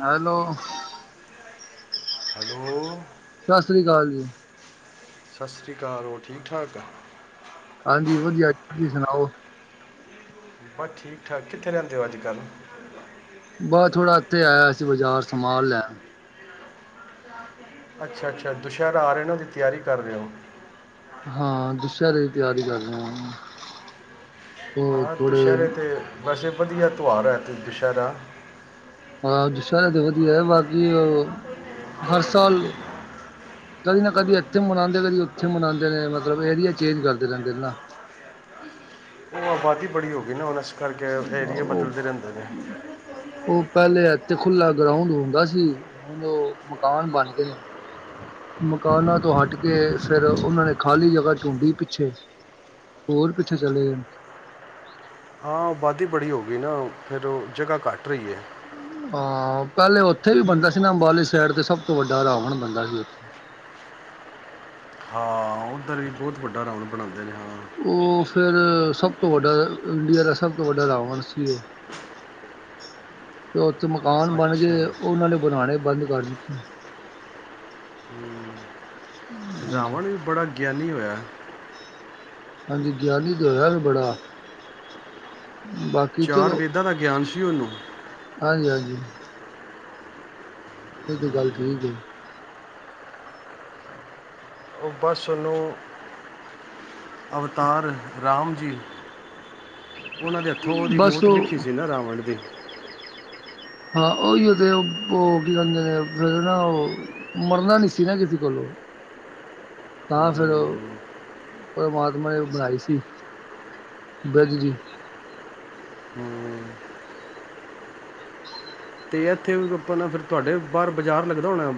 Hello. Hello. ਸਤਿ ਸ੍ਰੀ ਅਕਾਲ ਜੀ। ਸਤਿ ਸ਼੍ਰੀ ਅਕਾਲ। ਹੋਰ ਠੀਕ ਠਾਕ ਹੋ? ਹਾਂਜੀ, ਵਧੀਆ ਤੁਸੀਂ ਸੁਣਾਓ? ਬਸ ਠੀਕ- ਠਾਕ, ਕਿੱਥੇ ਰਹਿੰਦੇ ਹੋ ਅੱਜ ਕੱਲ? ਬਸ ਥੋੜਾ ਇੱਥੇ ਆਇਆ ਸੀ। ਬਾਜ਼ਾਰ ਸਮਾਨ ਲੈਨ। [unintelligible] ਅੱਛਾ-ਅੱਛਾ ਦੁਸਹਿਰ ਆ ਰਹੇ ਨਾ। ਉਹ ਦੀ ਤਿਆਰੀ ਕਰ ਰਹੇ ਹੋ? ਹਾਂ। ਦੁਸ਼ਹਿਰੇ ਦੀ ਤਿਆਰੀ ਕਰ ਰਿਹਾ ਹਾ, ਉਹ ਹਾਂ ਥੋੜੇ ਦੁਸਹਿਰੇ ਤੇ ਵੈਸੇ, ਵਧੀਆ ਤਿਉਹਾਰ ਹੈ। ਇ ਅਤੇ ਦੁਸ਼ਹਿਰਾ। ਹਾਂ, ਦੁਸਹਿਰਾ ਤੇ ਵਧੀਆ ਏ। ਬਾਕੀ ਹਰ ਸਾਲ। ਕਦੀ ਨਾ ਕਦੀ ਇੱਥੇ, ਮਨਾਉਂਦੇ ਕਦੀ ਉੱਥੇ, ਮਨਾਉਂਦੇ ਰਹੇ ਆ। ਮਤਲਬ ਏਰੀਆ ਚੇਂਜ ਕਰਦੇ ਰਹਿੰਦੇ ਨੇ, ਨਾ। ਆਬਾਦੀ ਬੜੀ ਹੋ ਗਈ, ਨਾ। ਹੁਣ ਇਸ ਕਰਕੇ, ਏਰੀਏ ਉਹ ਬਦਲਦੇ ਰਹਿੰਦੇ ਨੇ। ਉਹ, ਪਹਿਲੇ ਇਥੇ ਖੁਲਾ, ਗਰਾਉਂਡ ਹੁੰਦਾ ਸੀ। ਹੁਣ, ਉਹ ਮਕਾਨ, ਬਣ ਗਏ ਨੇ। ਮਕਾਨਾਂ ਤੋਂ ਹਟ ਕੇ। ਫੇਰ ਉਹਨਾਂ ਨੇ, ਖਾਲੀ ਜਗਾ ਢੂੰਡੀ ਪਿੱਛੇ। ਹੋਰ, ਕਿਥੇ ਚਲੇ ਗਏ। ਹਾਂ, ਆਬਾਦੀ ਬੜੀ ਹੋ ਗਈ, ਨਾ। ਫੇਰ ਉਹ ਜਗਾ ਘੱਟ ਰਹੀ ਹੈ। ਹਾਂ, ਪਹਿਲੇ ਉੱਥੇ ਵੀ ਬੰਦਾ ਸੀ, ਨਾ। ਅੰਬਾਲੇ ਸਾਈਡ ਤੇ, ਸਭ ਤੋਂ ਵੱਡਾ ਰਾਵਣ ਬੰਦਾ ਸੀ। ਹਾਂ। ਹਾਂ, ਉੱਧਰ ਵੀ ਬਹੁਤ ਵੱਡਾ, ਰਾਵਾਨ ਬਣਾਉਂਦੇ ਨੇ, ਹਨਾਂ। ਉਹ ਫੇਰ, ਸਭ ਤੋਂ ਵੱਡਾ, ਇੰਡੀਆ ਦਾ ਸਭ ਤੋਂ ਵੱਡਾ, ਰਾਵਣ ਸੀ, ਉਹ। [inaudible] ਫੇਰ ਉੱਥੇ, ਮਕਾਨ ਬਣ ਅੱਛਾ ਗਏ। ਉਹਨਾਂ ਨੇ ਬਣਾਉਣੇ ਬੰਦ ਕਰ ਦਿੱਤੇ। ਹਾਂਜੀ। ਰਾਵਣ ਵੀ, ਬੜਾ ਗਿਆਨੀ ਹੋਇਆ। ਹਾਂਜੀ। ਗਿਆਲੀ ਦਾ ਹੋਇਆ ਵੇ ਬੜਾ। ਬਾਕੀ ਚਾਰ ਵੇਦਾਂ ਦਾ, ਗਿਆਨ ਸੀ ਉਹਨੂੰ। ਹਾਂਜੀ- ਹਾਂਜੀ। ਇਹ ਤੇ, ਗੱਲ ਠੀਕ ਹੈ। ਉਹ ਬਸ, ਉਹਨੂੰ ਅਵਤਾਰ ਰਾਮ ਜੀ। ਉਹਨਾਂ ਦੇ ਹੱਥੋਂ, ਉਹਦੀ ਬਸ ਮੋਤ ਉਹ ਲਿਖੀ ਸੀ, ਨਾ। ਰਾਵਣ ਦੀ। ਹਾਂ, ਉਹੀਓ ਤੇ, ਉਹ ਕੀ ਕਿੰਦੇ ਨੇ, ਫੇਰ ਨਾ ਉਹ। ਮਰਨਾ ਨੀ ਸੀ, ਨਾ। ਕਿਸੇ ਕੋਲੋਂ। ਤਾਂ ਫੇਰ ਔ, ਹੂੰ। ਪਰਮਾਤਮਾ ਨੇ ਬਣਾਈ ਸੀ। ਬਸ ਜੀ। ਹੂ [unintelligible] ਅਤੇ ਇੱਥੇ ਆਪਾਂ ਨਾ ਫਿਰ ਤੁਹਾਡੇ ਬਾਹਰ ਬਾਜ਼ਾਰ ਲੱਗਦਾ ਹੋਣਾ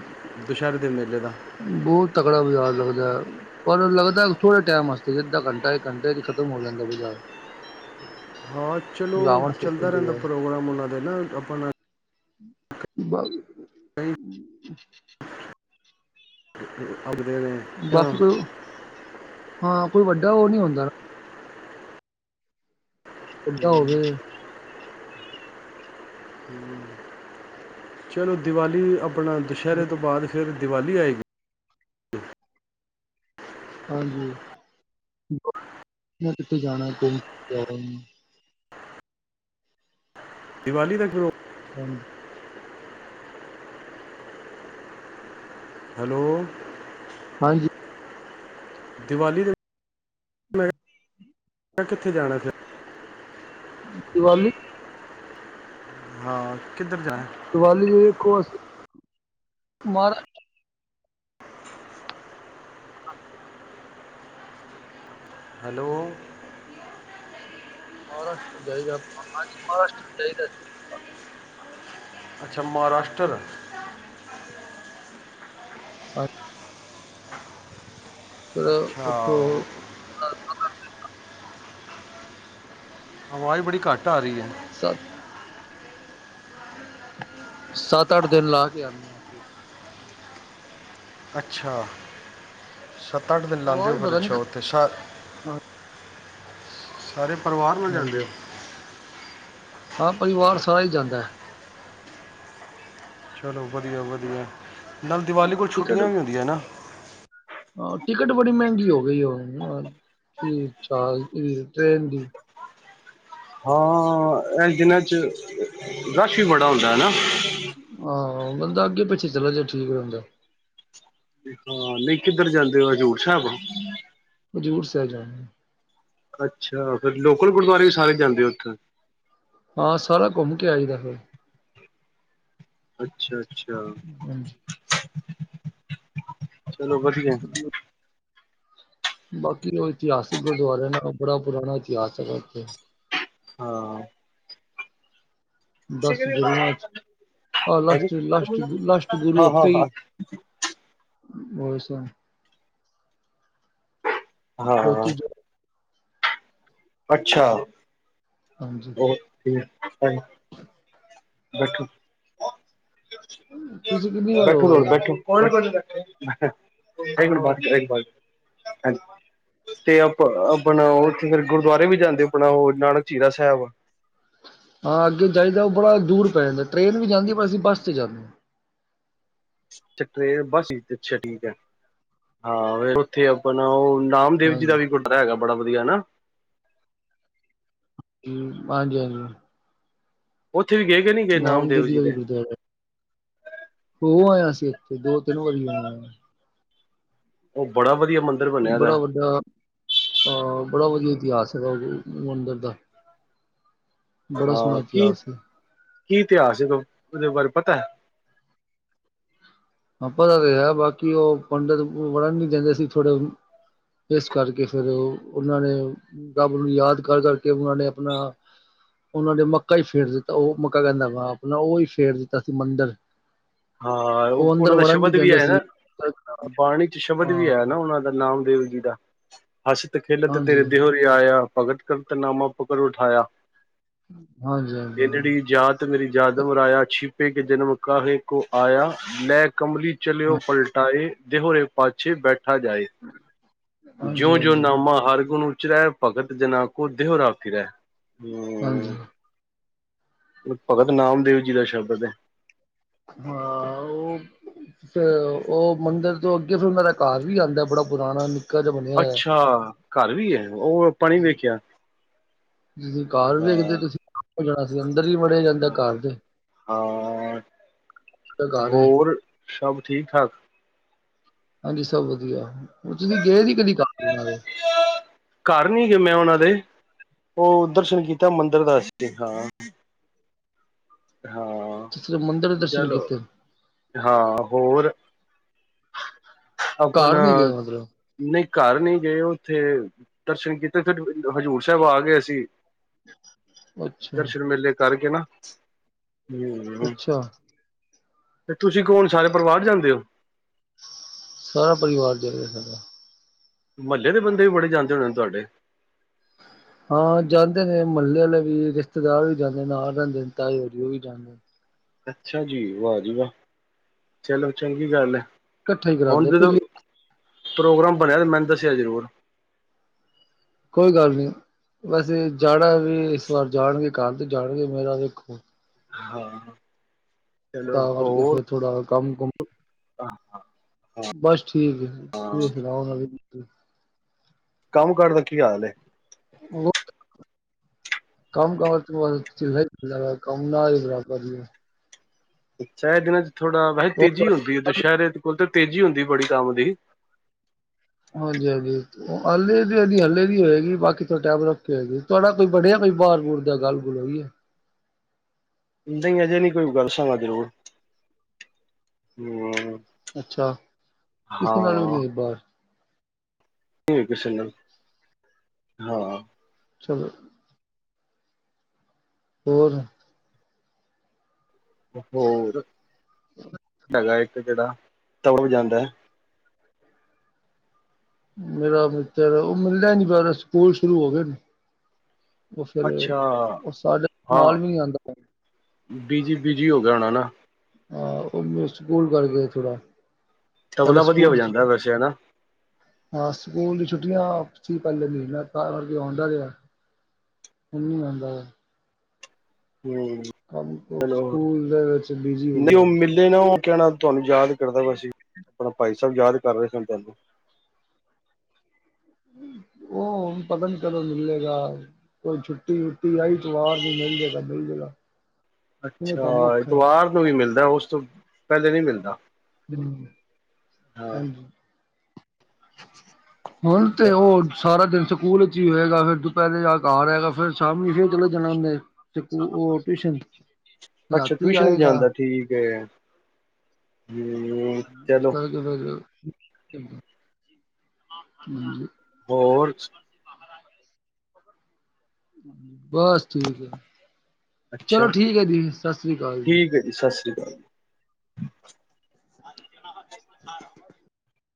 ਦੁਸਹਿਰੇ ਦੇ ਮੇਲੇ ਦਾ ਬਹੁਤ ਤਕੜਾ ਬਜਾਰ ਲੱਗਦਾ ਹੈ ਪਰ ਲੱਗਦਾ ਥੋੜੇ, ਟਾਈਮ ਵਾਸਤੇ ਸੀ। ਅੱਧਾ ਘੰਟਾ, ਇੱਕ ਘੰਟੇ ਚ ਖਤਮ ਹੋ ਜਾਂਦਾ ਬਾਜ਼ਾਰ। ਹਾਂ, ਚਲੋ ਰਾਵਣ ਚੱਲਦਾ ਸ਼ੋਪਨ ਤੋਂ ਰਹਿੰਦਾ ਪ੍ਰੋਗਰਾਮ, ਉਹਨਾਂ ਦੇ ਨਾ ਆਪਣਾ। ਬਾ- ਕਈ ਅੱਗ ਦੇਵੇ। ਬਾਕੀ ਕੋਈ, ਹਾਂ ਕੋਈ, ਵੱਡਾ ਉਹ ਨਹੀਂ ਹੁੰਦਾ। ਉੁੱਚਾ ਹੋਵੇ। ਹੂੰ [unintelligible] ਚਲੋ ਦਿਵਾਲੀ ਆਪਣਾ, ਦੁਸਹਿਰੇ ਤੋਂ ਬਾਅਦ, ਫੇਰ ਦਿਵਾਲੀ ਆਏਗੀ। ਹਾਂਜੀ, ਮੈਂ ਕਿਥੇ ਜਾਣਾ [unintelligible] ਦੀਵਾਲੀ ਦਾ ਜੋ ਹਾਂਜੀ ਹੈਲੋ ਹਾਂਜੀ ਦੀਵਾਲੀ ਦੇ [inaudible] ਮੈਂ ਕਿੱਥੇ ਜਾਣਾ ਫਿਰ ਦਿਵਾਲੀ ਹਾਂ ਕਿੱਧਰ ਜਾਣਾ ਦੀਵਾਲੀ ਜ ਦੇਖੋ ਅਸੀਂ ਮਹਾਰਾਜ ਹੈਲੋ ਮਹਾਰਾਸ਼ਟਰ ਜਾਇਦਾ ਆਪਾ ਅਜ ਮਹਾਰਾਸ਼ਟਰ ਜਾਇਦਾ ਸੀ ਅੱਛਾ ਮਹਾਰਾਸ਼ਟਰ ਅੱਛ ਫਿਰ ਅੱਛਾ ਉੱਥੋਂ ਆਵਾਜ਼ ਬੜੀ ਘੱਟ ਆ ਰਹੀ ਹੈ ਸਤ ਸੱਤ ਅੱਠ ਦਿਨ ਲਾ ਕੇ ਆਉਂਦੇ ਹਾਂ ਅਸੀਂ ਅੱਛਾ ਸੱਤ ਅੱਠ ਦਿਨ ਲਉਦੇ ਹੋ ਆਵਾਜ਼ ਫਿਰ ਪਤਾ ਨੀ ਅੱਛਾ ਉੱਥੇ ਸਾਰ ਹਾਂ ਸਾਰੇ ਪਰਿਵਾਰ ਮਿਲ ਜਾਂਦੇ ਹਾਂਜੀ ਹੇ ਹਾਂ ਪਰਿਵਾਰ ਸਾਰਾ ਹੀ ਜਾਂਦਾ ਹੈ ਚਲੋ ਵਧੀਆ ਵਧੀਆ ਨਾਲ ਦੀਵਾਲੀ ਕੋਲ ਛੁੱਟੀਆਂ ਟਿਕਟ ਵੀ ਹੁੰਦੀਆਂ ਨਾ ਹਾਂ ਟਿਕਟ ਬੜੀ ਮਹਿੰਗੀ ਹੋ ਗਈ ਹੈ ਹੁਣ ਜਹਾਜ ਟ੍ਰੇਨ ਦੀ ਹਾਂ ਇਸ ਦਿਨਾਂ 'ਚ ਰਸ਼ ਵੀ ਬੜਾ ਹੁੰਦਾ ਹੈ ਨਾ ਆਹੋ ਬੰਦਾ ਅੱਗੇ ਪਿੱਛੇ ਚਲਾ ਜੇ ਠੀਕ ਰਹਿੰਦਾ ਹਾਂ ਨਹੀਂ ਕਿੱਧਰ ਜਾਂਦੇ ਹੋ ਹਜ਼ੂਰ ਸਾਹਿਬ ਹਜੁਰ ਸਾਹਿਬ ਜਾਨੇ ਅੱਛਾ ਫੇਰ ਲੋਕਲ ਗੁਰਦੁਆਰੇ ਵੀ ਸਾਰੇ ਜਾਂਦੇ ਉੱਥੇ। ਹਾਂ ਸਾਰਾ ਘੁੰਮ ਕੇ ਆਈਦਾ ਫਿਰ ਅੱਛਾ ਅੱਛਾ ਹਾਂਜੀ ਚਲੋ ਵਧੀਆ ਬਾਕੀ ਉਹ ਇਤਿਹਾਸਿਕ ਗੁਰਦੁਆਰੇ ਨਾਲ ਬੜਾ ਪੁਰਾਣਾ ਇਤਿਹਾਸ ਹੈਗਾ ਉੱਥੇ ਹਾਂ ਦਸ ਗੁਰੂਆਂ ਚ ਹਾਂ ਹੈਂਜੀ? ਲਾਸਟ ਲਸਟ ਲਾਸਟ ਗੁਰੂ ਹਾਂ ਉਥੇ ਹਾਂ ਹੀ ਹਾਂ ਹੋਈ ਸਨ ਹਾਂ ਜੋਤੀ ਜੋ ਅੱਛਾ ਹਾਂਜੀ ਉਹ ਠੀਕ ਹੈ। ਬੈਠੋ, ਤੁਸੀਂ ਕਿੰਨੀ ਵਾਰ ਹੋ ਆਏ ਹੋ ਬੈਠੋ, ਬੈਠੋ। [unintelligible] ਤੇ ਆਪ ਆਪਣਾ ਉਥੇ ਫੇਰ ਗੁਰਦੁਆਰੇ ਵੀ ਜਾਂਦੇ, ਆਪਣਾ ਉਹ ਨਾਨਕ ਝੀਰਾ ਸਾਹਿਬ। ਹਾਂ ਅੱਗੇ ਜਾਈਦਾ ਉਹ ਬੜਾ ਦੂਰ ਪੈ ਜਾਂਦਾ ਟ੍ਰੇਨ ਵੀ ਜਾਂਦੀ ਪਰ ਅਸੀਂ ਬੱਸ ਚ ਜਾਂਦੇ ਹਾਂ ਅੱਾ ਟਰੇਨ ਬਸ ਅੱਛਾ ਠੀਕ ਹੈ ਹਾਂ ਉੱਥੇ ਆਪਣਾ ਉਹ ਨਾਮਦੇਵ ਜੀ ਦਾ ਹਾਂਜੀ ਵੀ ਕੁਟਰਾ ਹੈਗਾ ਬੜਾ ਵਧੀਆ ਨਾ ਹਾਂਜੀ ਹਾਂਜੀ ਉੱਥੇ ਵੀ ਗਏ ਗ ਨੀ ਗਏ ਨਾਮ ਨਾਮਦੇਵ ਦੇਜੀ ਜੀ ਦਾ ਵੀ ਦੇ ਗੁਰਦੁਆਰਾ ਹੋ ਆਇਆ ਅਸੀਂ ਇੱਥੇ ਦੋ ਤਿੰਨ ਵਾਰੀ ਹੋ ਆਏਆਾਂ। ਉਹ ਬੜਾ ਵਧੀਆ ਮੰਦ ਬੜਾ ਵੱਡਾ ਅਹ ਬੜਾ ਵਧੀਆ ਇਤਿਹਾਸ ਹੈਗਾ ਉਹ ਮੰਦਿਰ ਦਾ ਬੜਾ ਸੋਹਣਾ ਹਾਂ ਕੀ ਇਤਿਹਾਸ ਹੈ। ਕੀ ਇਤਿਹਾਸ ਏ ਉਹਦੇ ਬਾਰੇ ਪਤਾ ਹੈ ਹਾਂ ਪਤਾ ਤੇ ਹੈ ਬਾਕੀ ਉਹ ਪੰਡਿਤ ਵੜਨ ਨੀ ਜਾਂਦੇ ਸੀ ਥੋੜੇ ਇਸ ਕਰਕੇ, ਫਿਰ ਉਹਨਾਂ ਨੇ ਰੱਬ ਨੂੰ ਯਾਦ ਕਰ ਕਰਕੇ, ਉਹਨਾਂ ਨੇ ਆਪਣਾ ਉਹਨਾਂ ਨੇ ਮੱਕਾ ਈ ਫੇਰ ਦਿੱਤਾ, ਉਹ ਮੱਕਾ ਕਹਿੰਦਾ ਵਾ, ਆਪਣਾ ਉਹ ਹੀ ਫੇਰ ਦਿੱਤਾ ਸੀ ਮੰਦਿਰ ਹਾਂ, ਉਹ ਅੰਦਰ ਉਹਨਾਂ ਦਾ ਵੜਨ ਨੀ ਸ਼ਬਦ ਵੀ ਦਿੰਦੇ ਹੈ ਸੀ। ਨਾ ਬਾਣੀ ਚ ਸ਼ਬਦ ਵੀ ਹਾਂ ਹੈ ਨਾ, ਉਹਨਾਂ ਦਾ ਨਾਮਦੇਵ ਜੀ ਦਾ ਹਸਤ ਖੇਲਤ ਤੇਰੇ ਹਾਂਜੀ ਦੇਹੁਰੇ ਆਇਆ, ਭਗਤ ਕਰਤ ਨਾਮਾ ਪਕਰ ਉਠਾਇਆ। ਹਾਂਜੀ ਹਾਂਜੀ ਹੀਨੜੀ ਜਾਤ, ਮੇਰੀ ਜਾਦਮ ਰਾਇਆ, ਛਿਪੇ ਕੇ ਜਨਮ ਕਾਹੇ ਕੋ ਆਇਆ, ਲੈ ਕਮਲੀ ਚਲਿਓ ਪਲਟਾਇ, ਦੇਹੁ ਪਾਛੈ, ਬੈਠਾ ਜਾਏ। ਹਾਂਜੀ ਹਾਂਜੀ ਜਿਉ -ਜਿਉ ਹਾਂਜੀ ਨਾਮਾ, ਹਰਿ ਗੁਣ ਉਚਰੈ। ਭਗਤ ਜਨਾਂ ਕਉ ਦੇਹੁਰਾ ਫਿਰੈ, ਹਾਂਜੀ ਹਮ ਭਗਤ ਨਾਮਦੇਵ ਜੀ, ਦਾ ਸ਼ਬਦ ਹੈ। ਹਾਂ, ਉਹ ਤੇ ਉਹ ਮੰਦਿਰ ਤੋਂ ਅੱਗੇ, ਫਿਰ ਉਹਨਾਂ ਦਾ ਘਰ ਵੀ ਆਉਂਦਾ, ਬੜਾ ਪੁਰਾਣਾ ਜਿਹਾ ਬਣਿਆ ਹੋਇਆ। ਅੱਛਾ, ਘਰ ਵੀ ਹੈ, ਉਹ ਆਪਾਂ ਨੀ ਵੇਖਿਆ। ਤੁਸੀਂ ਘਰ ਵੇਖਦੇ, ਹਾਂ ਤੁਸੀਂ ਜਾਣਾ ਸੀ, ਅੰਦਰ ਵੀ ਹੀ ਬੜੇ ਜਾਂ ਹਾਂ [unintelligible] ਹੋਰ ਸਭ ਠੀਕ ਠਾਕ ਹਾਂਜੀ, ਸਭ ਵਧੀਆ ਹੁਣ ਤੁਸੀਂ ਗਏ ਨੀ ਕਦੀ ਘਰ ਉਹਨਾਂ ਦੇ ਘਰ ਨੀ ਗਿਆ ਮੈ, ਉਹਨਾਂ ਦੇ ਉਹ, ਦਰਸ਼ਨ ਕੀਤਾ ਮੰਦਿਰ ਦਾ ਅਸੀਂ, ਹਾਂ। ਹਾਂ। ਤੇ ਫਿਰ, ਮੰਦਿਰ ਦੇ ਦਰਸ਼ਨ ਚਲੋ ਕੀਤੇ ਹਾਂ, ਹੋਰ? ਘਰ ਆਪਣਾ ਨੀ ਗਏ ਮਤਲਬ ਨਹੀਂ ਘਰ ਨਹੀਂ ਗਏ, ਉੱਥੇ ਦਰਸ਼ਨ ਕੀਤੇ, ਫਿਰ ਹਜ਼ੂਰ ਸਾਹਿਬ ਆ ਗਏ ਅਸੀਂ। ਅੱਛਾ ਦਰਸ਼ਨ ਮੇਲੇ ਕਰਕੇ ਨਾ, ਹਮ। ਅੱਛਾ ਤੇ ਤੁਸੀਂ ਕੌਣ, ਸਾਰੇ ਪਰਿਵਾਰ ਜਾਂਦੇ ਹੋ? ਸਾਰਾ ਪਰਿਵਾਰ ਜਾ ਰਿਹਾ ਸਾਡਾ ਮੁਹੱਲੇ ਦੇ ਬੰਦੇ ਵੀ, ਬੜੇ ਜਾਂਦੇ ਹੋਣੇ ਨੇ, ਤੁਹਾਡੇ? ਹਾਂ ਜਾਂਦੇ ਨੇ, ਮੁਹੱਲੇ ਵਾਲੇ ਵੀ, ਰਿਸ਼ਤੇਦਾਰ ਵੀ ਜਾਂਦੇ ਨੇ, ਨਾਲ ਰਹਿੰਦੇ ਨੇ ਤਾਏ ਹੋਰੀ, ਉਹ ਵੀ ਜਾਂਦੇ ਨੇ। ਅੱਛਾ ਜੀ, ਵਾਹ ਜੀ ਵਾਹ, ਚਲੋ ਚੰਗੀ ਗੱਲ ਹੈ? ਇਕੱਠੇ ਹੀ ਹੁਣ ਕਰਾਉਂਦੇ ਜਦੋਂ ਪਿਛਲੀ ਪ੍ਰੋਗਰਾਮ ਬਣਿਆ, ਤੇ ਮੈਨੂੰ ਦੱਸਿਆ ਜ਼ਰੂਰ। ਕੋਈ ਗੱਲ ਨੀ, ਵੈਸੇ ਜਾਣਾ ਵੀ ਇਸ ਵਾਰ ਜਾਣਗੇ, ਘਰ ਦੇ ਜਾਣਗੇ, ਮੇਰਾ ਵੇਖੋ। ਹਾਂ। ਚਲੋ ਤਾਂ ਕਰਕੇ, ਹੋਰ ਫੇਰ ਥੋੜਾ ਕੰਮ -ਕੁੰਮ। ਹਾਂ- ਹਾਂ। ਬਸ ਠੀਕ ਹੈ, ਤੁਸੀਂ ਸੁਣਾਉ, ਨਵੀ ਤਾਜੀ? ਕੰਮ -ਕਾਰ ਦਾ, ਕੀ ਹਾਲ ਏ? [unintelligible] ਕੰਮ ਕਾਰ ਚ [unintelligible] ਕੰਮ ਨਾ ਬ ਕਰ ਐ ਦਿਨਾਂ ਚ ਥੋੜਾ ਵੈਸੇ ਹੋਰ ਤੇਜ਼ੀ ਹੁੰਦੀ, ਤੁਹਾਡੇ ਦੁਸਹਿਰੇ ਕੋਲ ਤਾਂ ਤੇਜ਼ੀ ਹੁੰਦੀ ਬੜੀ ਕੰਮ ਦੀ। ਹਾਂਜੀ -ਹਾਂਜੀ। ਉਹ ਹੱਲੇ ਨੀ, ਹੱਲੇ ਨੀ ਹੋਏਗੀ, ਬਾਕੀ ਤਾਂ ਟਾਈਮ ਰੱਖ ਕੇ ਹੋਏਗੀ। ਤੁਹਾਡਾ ਕੋਈ ਬਣਿਆ ਕੋਈ ਬਾਹਰ- ਬੁਹਰ ਦਾ ਗੱਲ -ਗੁਲ ਹੋ ਗਈ ਹੈ। ਨਹੀ ਹਜੇ ਨੀ, ਕੋਈ ਦੱਸਾਂਗਾ ਜਰੂਰ। ਅੱਛਾ, ਕਿਸੇ ਨਾਲ ਵੀ ਨਹੀਂ ਬਾਹਰ ਨਹੀਂ ਹੋਈ ਕਿਸੀ ਨਾਲ,, ਹਾਂ। ਚਲੋ ਹੋਰ? [unintelligible] [inaudible] ਹੈਗਾ ਇੱਕ ਜਿਹੜਾ, [unintelligible] ਮੇਰਾ ਮਿੱਤਰ ਉਹ ਮਿਲਦਾ ਨੀ ਪਿਆ ਓਹਦੇ ਸਕੂਲ ਸ਼ੁਰੂ ਹੋ ਗਏ। ਉਹ ਫੇਰ ਅੱਛਾ ਉਹ ਸਾਡੇ ਹਾਂ ਨਾਲ ਵੀ ਨੀ ਜਾਂਦਾ। ਬਿਜੀ ਬਿਜੀ ਹੋ ਗਿਆ ਹੋਣਾ ਨਾ। ਹਾਂ ਓਹੀਓ ਸਕੂਲ ਚੱਲ ਗਏ ਥੋੜਾ, ਪਹਿਲ ਤਬਲਾ ਵਧੀਆ ਹੋ ਸਕੂਲ ਛੁ ਜਾਂਦਾ ਵੈਸੇ ਹਨਾ। ਹਾਂ, ਸਕੂਲ ਦੀ ਛੁੱਟੀਆਂ ਸੀ ਪਹਿਲੇ, ਮਹੀਨਾ ਤਾਂ ਕਰਕੇ ਆਉਂਦਾ ਰਿਹਾ। ਹੁਣ ਨੀ ਆਂਦਾ ਓ। [unintelligible] [unintelligible] ਚਲੋ ਸਕੂਲ ਦੇ ਵਿੱਚ ਬਿਜੀ ਹੋ ਗਿਆ। ਨੀ ਉਹ ਕਹਿਣਾ ਤੁਹਾਨੂੰ ਯਾਦ ਕਰਦਾ ਪਿਆ ਸੀਂ, ਆਪਣਾ ਭਾਈ ਸਾਹਿਬ ਯਾਦ ਕਰ ਰਹੇ ਸੀ ਮੈਂ ਤੁਹਾਨੂੰ। ਉਹ ਪਤ ਨੀ ਕਦੋਂ ਮਿਲੇਗਾ। ਕੋਈ ਛੁੱਟੀ ਵੁੱਟੀ ਆਈ ਤਿਓਹਾਰ ਨੂੰ ਮਿਲ ਜੇ ਜੇਗਾ ਮਿਲ ਜੇਗਾ। ਇਹ ਅੱਛਾ ਤਾਂ ਮੁੱਖ ਹੈ ਐਤਵਾਰ ਨੂੰ ਵੀ ਮਿਲਦਾ ਉਸ ਤੋਂ ਪਹਿਲੇ ਨੀ ਮਿਲਦਾ। ਹਾਂ ਹਾਂਜੀ। [unintelligible] ਹੁਣ ਤੇ ਉਹ ਸਾਰਾ ਦਿਨ ਸਕੂਲ ਚ ਹੀ ਹੋਏਗਾ ਫਿਰ ਦੁਪਹਿਰੇ ਜਾ ਕੇ ਹੈਗਾ ਫਿਰ ਸ਼ਾਮੀ ਫਿਰ ਚਲੇ ਜਾਣਾ, ਉਹ ਟਿਊਸ਼ਨ ਤੇ। ਅੱਛਾ ਟਿਊਸ਼ਨ ਵੀ ਜਾਂਦਾ ਠੀਕ ਐ। [unintelligible] ਹੋਰ ਬਸ ਠੀਕ ਐ। ਅੱਛਾ, ਸ੍ਰੀ ਅਕਾਲ ਠੀਕ ਐ ਜੀ ਸਤਿ ਸ਼੍ਰੀ ਅਕਾਲ। [unintelligible]